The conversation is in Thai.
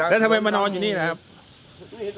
แล้วทำไมมานอนอยู่นี่แหละครับ